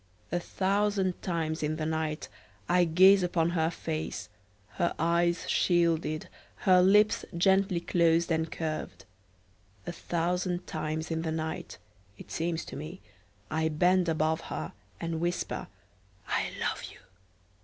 A thousand times in the night I gaze upon her face, her eyes shielded, her lips gently closed and curved. A thousand times in the night (it seems to me), I bend above her and whisper, "I love you!"